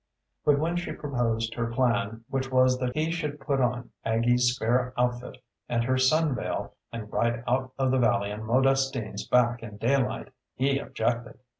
But when she proposed her plan, which was that he should put on Aggie's spare outfit and her sun veil and ride out of the valley on Modestine's back in daylight, he objected.